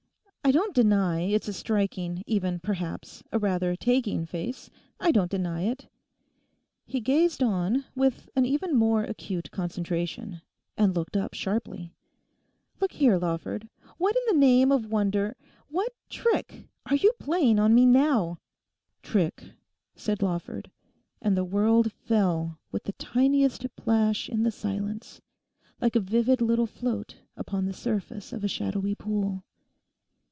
'I don't deny it's a striking, even perhaps, a rather taking face. I don't deny it.' He gazed on with an even more acute concentration, and looked up sharply. 'Look here, Lawford, what in the name of wonder—what trick are you playing on me now?' 'Trick?' said Lawford; and the world fell with the tiniest plash in the silence, like a vivid little float upon the surface of a shadowy pool.